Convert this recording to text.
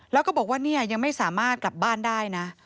แล้วก็บอกว่าเนี่ยยังไม่สามารถกลับบ้านได้นะ